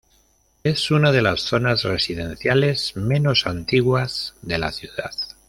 Es una de las zonas residenciales menos antiguas de la ciudad.